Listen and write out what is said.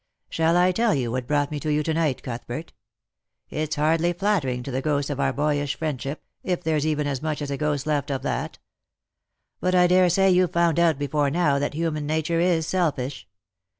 " Shall I tell you what brought me to you to night, Cuthbert? It's hardly flattering to the ghost of our boyish friendship — if there's even as much as a ghost left of that !— but I daresay you've found out before now that human nature is selfish.